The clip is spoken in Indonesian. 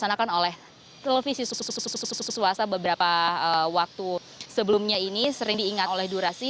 dilaksanakan oleh televisi susu susu susu susu susu suasa beberapa waktu sebelumnya ini sering diingat oleh dura sih